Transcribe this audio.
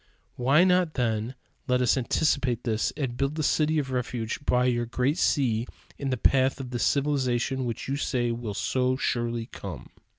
"Why not, then, let us anticipate this and build the city of refuge by your great sea in the path of this civilization which you say will so surely come?"